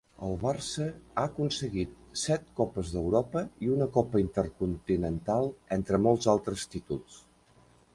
Al Barça ha aconseguit set Copes d'Europa i una Copa Intercontinental, entre molts altres títols.